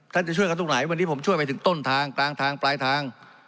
จะช่วยกันตรงไหนวันนี้ผมช่วยไปถึงต้นทางกลางทางปลายทาง